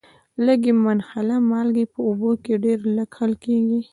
لږي منحله مالګې په اوبو کې ډیر لږ حل کیږي.